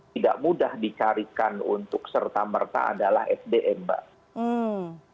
tidak mudah dicarikan untuk serta merta adalah sdm mbak